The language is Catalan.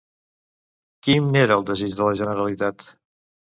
Quin era el desig de la Generalitat?